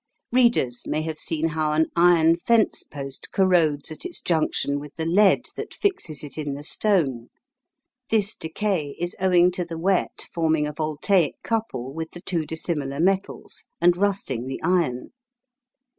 Readers may have seen how an iron fence post corrodes at its junction with the lead that fixes it in the stone. This decay is owing to the wet forming a voltaic couple with the two dissimilar metals and rusting the iron.